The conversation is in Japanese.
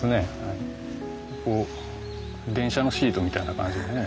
電車のシートみたいな感じでね